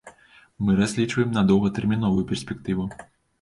Мы разлічваем на доўгатэрміновую перспектыву.